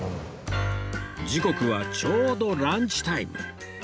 時刻はちょうどランチタイム